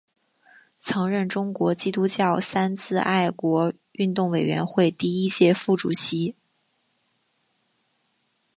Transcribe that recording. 曾任中国基督教三自爱国运动委员会第一届副主席。